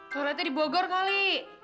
toiletnya di bogor kali